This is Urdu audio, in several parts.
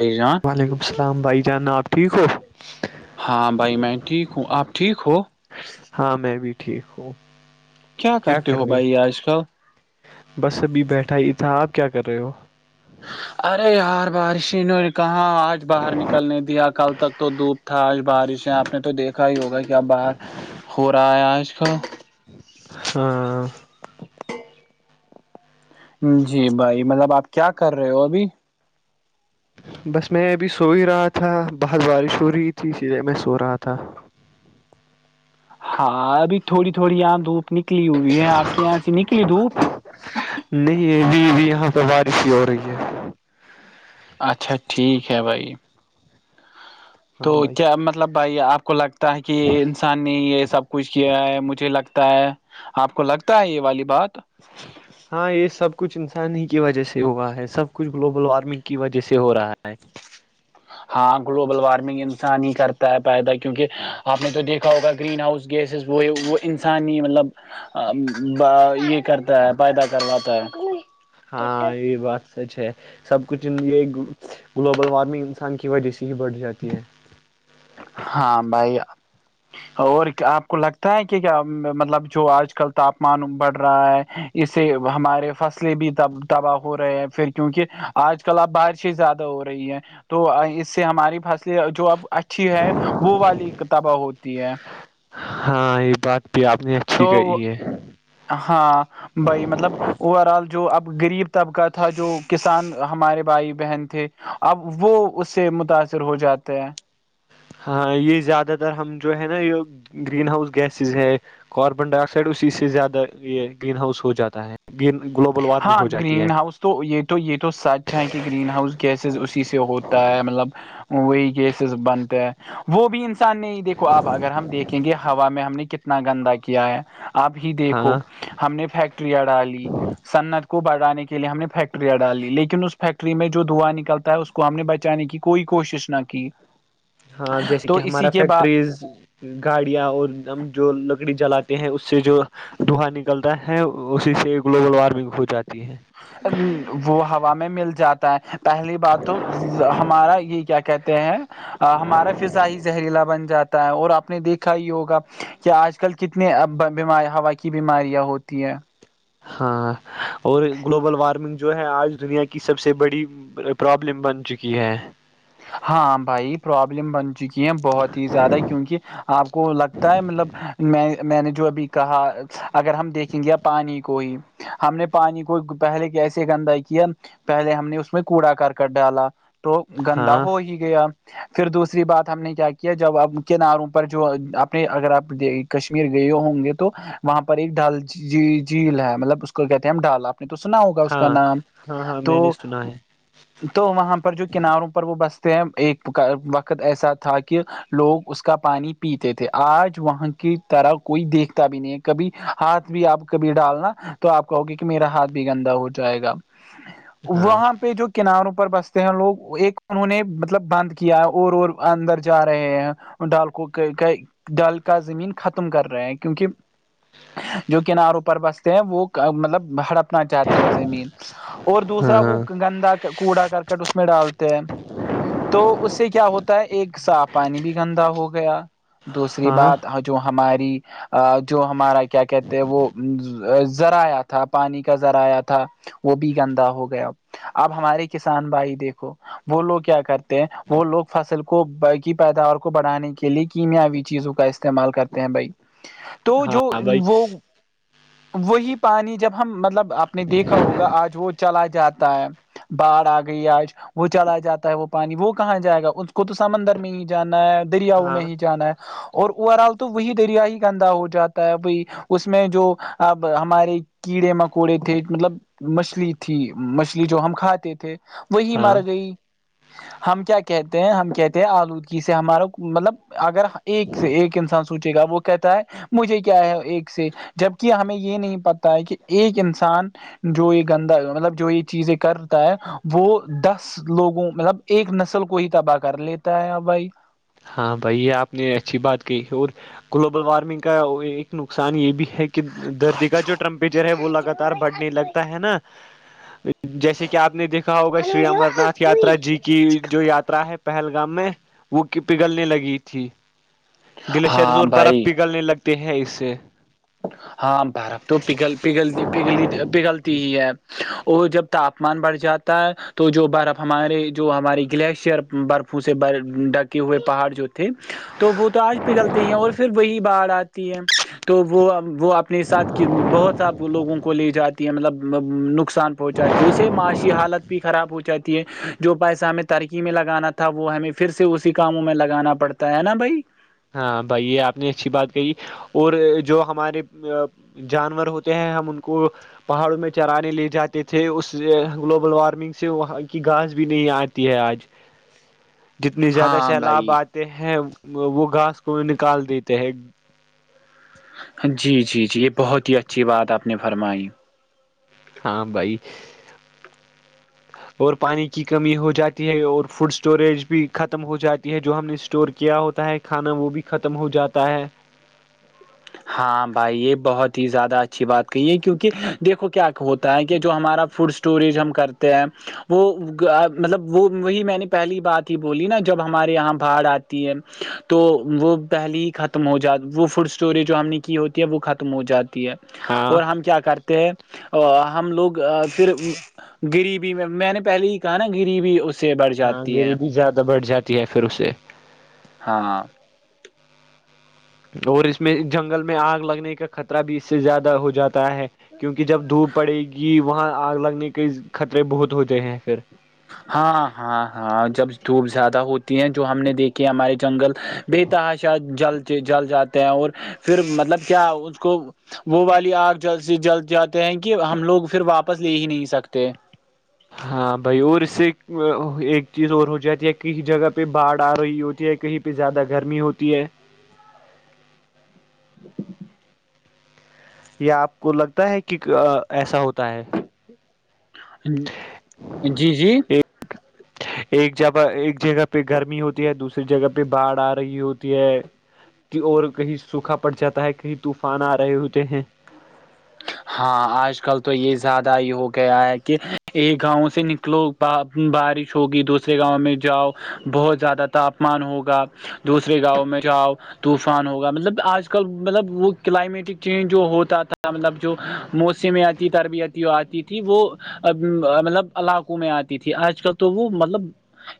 ا ہاں [unintelligible] وعلیکم السلام بھائی جانب آ ٹھیک ہو ہاں بھائی میں ٹھیک ہوں آپ ٹھیک ہو ہاں میں بھی ٹھیک ہوں کیا کرتے ہو بھائی آج کل بس ابھی بیٹھا ہی تھا آپ کیا کر رہے ہو ارے یار بارشوں نے کہااں آج باہر نکلنے دیا کل تک تو دوپ تھا آج بارش ہے آپ نے تو دیکھا ہی ہوگا کیا باہار ہو رہا ہے آج کل ہاں جی بھائی مطلب آپ کیا کر رہے ہو ابھی بس میں ابھی سو ہی رہا تھا بہت بارش ہو رہی تھی اسی لیے میں سو رہا تھا ہاں ابھی تھوڑی تھوڑی یہاں دھوپ نکلی ہوئی ہے آپ کے یہاں سے نکلی دھوپ نہیں ابھی ابھی یہاں پہ بارش ہی ہو رہی ہے اچھا ٹھیک ہے بھائی تو ہاں بھائی کیا مطلب بھائی آپ کو لگتا ہے کہ انسان نے یہ سب کچھ کیا ہے مجھے لگتا ہے آپ کو لگتا ہے یہ والی بات ہاں یہ سب کچھ انسان ہی کی وجہ سے ہوا ہے سب کچھ گلوبل وارمنگ کی وجہ سے ہو رہا ہے ہاں گلوبل وارمنگ انسان ہی کرتا ہے پیدا کیونکہ آپ نے تو دیکھا ہوگا گرین ہاؤس گیسز وہ وہ انسانی مطلب یہ کرتا ہے پیدا کرواتا ہے ہاں یہ بات سچ ہے سب کچھ یہ گلوبل وارمنگ انسان کی وجہ سے بڑھ جاتی ہے ہاں بھائی اور آپ کو لگتا ہے کہ کیا مطلب جو آج کل تاپمان بڑھ رہا ہے اس سے ہمارے فصلیں بھی تباہ ہو رہے ہیں پھر کیونکہ آج کل آپ بارش ا زیادہ ہو رہی ہے تو اس سے ہماری فصلیں جو اب اچھی ا ہے وہ والی کتابیں ہوتی ہے ہاں یہ بات بھی آپ نے اچھی تو کہی ہے ہاں بائی مطلب اوور آل جو اب غریب طبقہ تھا جو کسان ہمارے بھائی بہن تھے اب وہ اس سے متاثر ہو جاتے ہیں ہاں یہ زیادہ تر ہم جو ہے نا یہ گرین ہاؤس گیسز ہے کاربن ڈائی آکسائڈ اسی سے زیادہ یہ گرین ہاؤس ہو جاتا ہے گلوبل وارمنگ ہاں ہو جاتی ہے گرین ہاؤس تو یہ تو یہ تو سچ ہے کہ گرین ہاؤس گیسز اسی سے ہوتا ہے مطلب وہی کیسز بنتے ہیں وہ بھی انسان نہیں دیکھو آپ اگر ہم دیکھیں گے ہوا میں ہم نے کتنا گندا کیا ہے اب ہی دیکھو ہاں ہم نے فیکٹریاں ڈالی سنعت کو بڑھانے کے لیے ہم نے فیکٹری ڈالی لیکن اس فیکٹری میں جو دھواں نکلتا ہے اس کو ہم نے بچانے کی کوئی کوشش نہ کی ہاں جیسے تو کہ اسی ہمارا کے بعد فیکٹریز گاڑیاں اور ہم جو لکڑی جلاتے ہیں اس سے جو دوہا نکلتا ہے اسی سے گلوبل وارمنگ ہو جاتی ہے وہ ہوا میں مل جاتا ہے پہلی بات تو ہمارا یہ کیا کہتے ہیں ہمارا فضاائی زہریلا بن جاتا ہے اور آپ نے دیکھا ہی ہوگا کہ آج آج کل کتنے بیم ہوا کی بیماریاں ہوتی ہیں ہاں اور گلوبل وارمنگ جو ہے آج دنیا کی سب سے بڑی پرابلم بن چکی ہے ہاں بھائی پروابلم بن چکی ہے بہت ہی زیادہ کیونکہ آپ کو لگتا ہے مطلب میں میں نے جو ابھی کہا اگر ہم دیکھیں گے پانی کو ہی ہم نے پانی کو پہلے کیسے گندا کیا پہلے ہم نے اس میں کوڑا کرک ڈالا تو گندا ہاں ہو ہی گیا پھر دوسری بات ہم نے کیا کیا جب آپ کناروں پر جو اپنے اگر آپ کشمیر گئے ہوں گے تو وہاں پر ایک ڈھال ج جھیل ہے مطلب اس کو کہتے ہیں ہم ڈھالا تو سنا ہوگا اس کا ہاں نام ہاں ہاں تو میں نے سنا ہے تو وہاں پر جو کناروں پر وہ بستے ہیں ایک وقت ایسا تھا کہ لوگ اس کا پانی پیتے تھے آج وہاں کی طرح کوئی دیکھتا بھی نہیں کبھی ہاتھ بھی آپ کبھی ڈالنا تو آپ کہو گے کہ میرا ہاتھ بھی گندا ہو جائے گا [inaudible] وہاں پہ جو کناروں پر بستے ہیں لوگ ایک انہوں نے مطلب بند کیا اور اور اندر جا رہے ہیں ڈال کو دل کا زمین ختم کر رہے ہیں کیونکہ جو کناروں پر بستے ہیں وہ مطلب ہڑپ نا چاہتے ہیں زمین اور دوسرا ہاں وہ گندا کوڑا کرکٹ اس میں ڈالتا تو اس سے کیا ہوتا ہے ایک صاف پانی بھی گندا ہو گیا دوسری ہاں بات جو ہماری جو ہمارا کیا کہتے ہیں وہ ذرائع تھا پانی کا ذرائع تھا وہ بھی گندا ہو گیا اب ہمارے کسان بھائی دیکھو وہ لوگ کیا کرتے ہیں وہ لوگ فصل کو کی پیداوار کو بڑھانے کے لیے کیمیاوی چیزوں کا استعمال کرتے ہیں بھائی [inaudible] تو جو بھائی وہ وہی پانی جب ہم مطلب آپ نے دیکھا ہوگا آج وہ چلا جاتا ہے بارھ آ گئی آج وہ چلاا جاتا ہے وہ پانی وہ کہاں جائے گا اس کو تو سمندر میں ہی جانا ہے دریاؤ ہاں میں ہی جانا ہے اور اور اوور آل تو وہی دریا ہی گندا ہو جاتا ہے بائی اس میں جو اب ہمارے کیڑے مکوڑے تھے مطلب مچھلی تھی مچھلی جو ہم کھاتے تھے وہی ہاں ہمارگ ہم کیا کہتے ہیں ہم کہتے ہیں آلودگی سے ہمارا مطلب اگر ایک سے ایک انسان سوچے گا وہ کہتا ہے مجھے کیا ہے ایک سے جبکہ ہمیں یہ نہیں پتتا ہے کہ ایک انسان جو یہ گندا مطلب جو یہ چیزیں کرتا ہے وہ دس لوگوں مطلب ایک نسل کو ہی تباہ کر لیتا ہے ا بھائی ہاں بھائی یہ آپ نے اچھی بات کہ اور گلوبل وارمنگ کا ایک نقصان یہ بھی ہے کہ کہ دھررتی کا جو ٹمپریچر ہے وہ لگاتار بڑھنے لگتا ہے نا جیسے کہ آپ نے دیکھا ہوگا شری امر ناتھ یاترا جی کی جو یاترا ہے پہلگام میں وہ پگھلنے لگی تھی گلیشئرز ہاں اور برف بھائی پگھلنے لگتے ہیں اس سے ہاں برف تو پگل پگل پگلی پگلتی ہی ہے وہ جب تاپمان بڑھ جاتا ہے تو جو برف ہمارے جو ہماریے گلیشیئر برفوں سے ڈھکے ہوئے پہاڑ جو تو وہ تو آج پگلتی ہیں اور پھر وہی باہر آتی ہے تو وہ وہ وہ اپنے ساتھ کی بہت س لوگوں کو لے جاتی ہے مطلب نقصان پہنچاتی اسے معاشی حالت بھی خراب ہو جاتی ہے جو پیسہ ہمیں تو ترکی میں لگانا تھا وہ ہمیں پھر سے اسی کاموں میں لگانا پڑتا ہے نا بھائی ہاں بھائی یہ آپ نے اچھی بات کہی اور جو ہمارے جانور ہوتے ہیں ہم ان کو پہاڑوں میں چرانے لے جاتے تھے اس گلوبل وارمنگ سے وہاں کی گاس بھی نہیں آتی تی ہے آج جتنے زیادہ ہاں سیلاب بھائی آتے ہیں وہ گاس کو نکال دیتے ہیں جی جی جی یہ بہت ہی اچھی بات آپ نے فرمائی ہاں بھائی اور پانی کی کمی ہو جاتی ہے اور فوڈ اسٹوریج بھی ختم ہو جاتی ہے جو ہم نے اسٹور کیا ہوتا ہے کھانا وہ بھی ختم ہو جاتا ہے ہاں بھائی یہ بہت ہی زیادہ اچھی بات کہیے کیونکہ دیکھو کیا ہوتا ہے کہ جو ہمارا فوڈ ٹوریزم کرتے ہیں وہ مطلب وہ وہی میں نے پہلی بات ہی بولی نا جب ہمارے یہاں بہاڑ آتے ہے تو وہ پہلے ہی ختم ہو جات وہ فرص چوری جو ہم نے کی ہوتی ہے وہ ختم ہو جاتی ہے ہاں اور ہم کیا کرتے ہیں ہم لوگ پھر غریبی میں میں نے پہلے ہی کہا نا غریبی اس سے بڑھ ہاں جاتی ہے غریبی زیادہ بڑھ جاتی ہے پھر اسے ہاں اور اس میں جنگل میں آگ لگنے کا خطرہ بھی اس سے زیادہ ہو جاتا ہے کیونکہ جب دھوپ پڑے گی وہاں آگ لگنے کے خطرے بہت ہوتے ہیں پھر ہاں ہاں ہاں جب دھوپ زیادہ ہوتی ہے جو ہم نے دیکھی ہمارے جنگل بے تحاشا جل جل جاتے ہیں اور پھر مطلب کیا اس کو وہ والی آگ جلد سے جلد جاتے ہیں کہ ہم لوگ پھر واپس لے ہی نہیں سکتے ہاں بھائی اور اس سے ایک چیز اور ہو جاتی ہے کسی جگہ پہ باڑھ آ رہی ہوتی ہے کہیں پہ زیادہ گرمی ہوتی ہے [inaudible] یا آپ کو لگتا ہے کہ ایسا ہوتا ہے جی جی ایک ایک جگہ ایک جگہ پہ گرمی ہوتی ہے دوسری جگہ پہ باڑھ آ رہی ہوتی ہے کہ اور کہیں سوکھا پڑ جاتا ہے کہیں طوفان آ رہے ہوتے ہیں ہاں آج کل تو یہ زیادہ ہی ہو گیا ہے کہ یہ گاؤں سے نکلو بارش ہوگی دوسرے گاؤں میں جاؤ بہت زیادہ تاپمان ہوگا دوسرے گاؤں میں جاؤ طوفان ہوگا مطلب آج کل مطلب وہ کلائمیٹک چینج جو ہوتا تھا مطلب جو موسمیاتی تربیتی آتی تھی وہ مطلب علاقوں میں آتی تھی آج کل تو وہ مطلب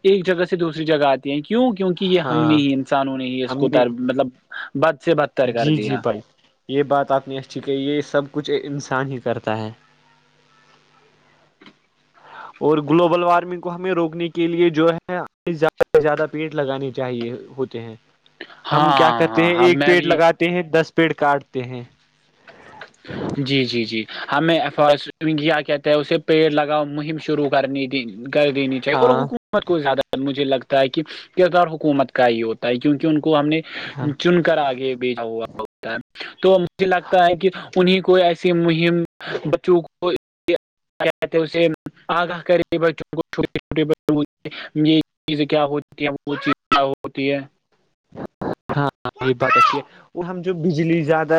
ایک جگہ سے دوسری جگہ آتی ہیں کیوں کیونکہ یہ ہم نے ہاں ہی انسانوں نے ہی اس ہم کو نے تر مطلب بد سے بدتر کر جی جی دیا بھائی یہ بات آپ نے اچھی کہی یہ سب کچھ انسان ہی کرتا ہے اور گلوبل وارمنگ کو ہمیں روکنے کے لیے جو ہے زیادہ سے زیادہ پیٹ لگانے چاہیے ہو ہیں ہم کیا ہاں کرتے ہاں ہیں ہاں ایک میں پیٹ بھی لگاتے ہیں دس پیڑ کاٹتے ہیں جی جی جی ہمیںگ کیا کہتے ہیں اسے پیڑ لگاؤ مہم شروع کرنی کر دینی ت اور ہاں حکومت کو زیادہ مجھے لگتا ہے کہ کردار حکومت کا ہی ہوتا ہے کیونکہ ان کو ہم نے ہاں چن کر آگے بیھا ہوا ہوتا ہے تو مجھے لگتا ہے کہ انہیں کو ایسی مہم بچوں کو اسے آگاہ کرے بچوں کو چھوٹےھوٹے یہ چیزیں کیا ہوتی ہے وہ چیز کیا ہوتی ہے ہاںاں یہی بات اچھی ہے وہ ہم جو بجلی زیادہ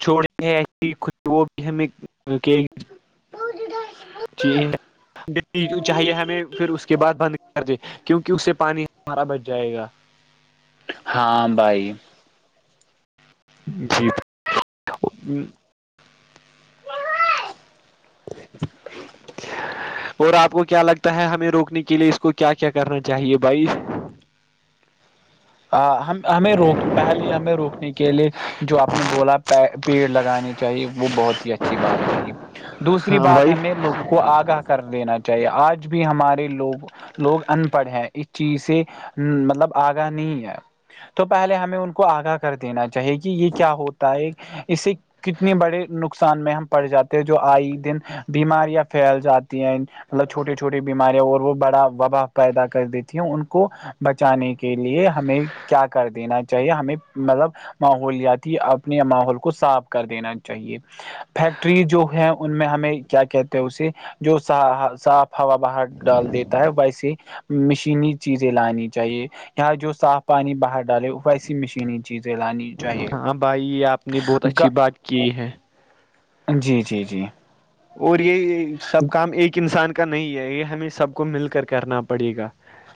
چھوڑے ہیں ایسی وہ بھی ہمیں ب ج چاہیے ہمیں پھر اس کے بعد بند کر دے کیونکہ اس سے پانی ہمارا بچ جائے گا ہاں بھائی جی [inaudible] اور آپ کو کیا لگتا ہے ہمیں روکنے کے لیے اس کو کیا کیا کرنا چاہیے بھائی ہم ہمیں روک پہلے ہمیں روکنے کے لیے جو آپ نے بولا پیڑ لگانے چاہیے وہ بہت ہی اچھی بات کہی دوسری ہاں بات بھائی ہمیں لوگوں کو آگاہ کر دینا چاہیے آج بھی ہمارے لوگ لوگ ان پڑھ ہیں اس چیز سے مطلب آگاہ نہیں تو پہلے ہمیں ان کو آگاہ کر دینا چاہیے کہ یہ کیا ہوتا ہے اسے کتنے بڑے نقصان میں ہم پڑ جاتے ہیں جو آئی دن بیماریاں پھیل جاتی ہیں مطلب چھوٹی چھوٹی بیماریاں اور وہ بڑا وباہ پیدا کر دیتی ہیں ان کو بچانے کے لیے ہمیں کیا کر دینا چاہیے ہمیں مطلب ماحولیاتی اپنے ماحول کو صاف کر دینا چاہیے فیکٹری جو ہے ان میں ہمیں کیا کہتے ہیں اسے جوا صاف ہوا باہر ڈال دیتا ہے ویسے مشینی چیزیں لانی چاہیے جو صاف پانی باہر ڈالے ویسی مشینی چیزیں لانی چاہیے ہاں بھائی آپ نے بہت اچھی بات کی ہے جی جی جی اور یہ سب کام ایک انسان کا نہیں ہے یہ ہمیں سب کو مل کر کرنا پڑے گا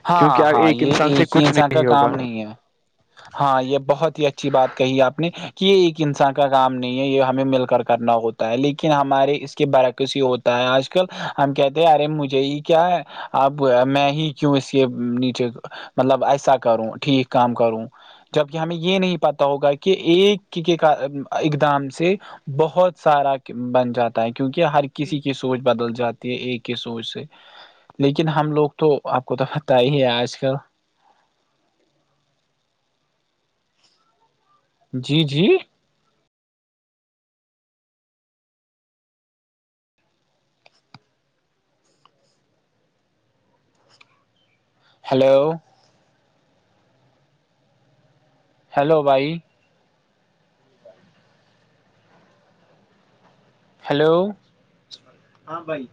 ہاں کیونکہ ہاں یہ انسان سے ایک ہی کچھ انسان کا نہیں ہوگا کام نہیں ہے ہاں یہ بہت ہی اچھی بات کہی آپ نے کہ یہ ایک انسان کا کام نہیں ہے یہ ہمیں مل کر کرنا ہوتا ہو لیکن ہمارے اس کے برعکس ہی ہوتا ہے آج کل ہم کہتے ہیں ارے مجھے یہ کیا اب میں ہی کیوں اس کے نیچے مطلب ایسا کروں ٹھیک کام کروں جبک ہمیں یہ نہیں پتا ہوگا کہ ایک کے اقدام سے بہت سارا بن جاتا ہے کیونکہ ہر کسی کی سوچ بدل جاتی ہے ایک کی سوچ سے لیکن ہم لوگ تو آپ کو تو پتہ ہی ہے آج کل جی جی ہیلو ہیلو بھائی ہیلو بھائی